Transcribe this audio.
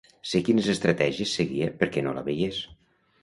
Sé quines estratègies seguia perquè no la veiés.